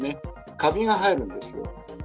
カビが生えるんですよ。